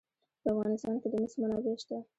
په افغانستان کې د مس منابع شته.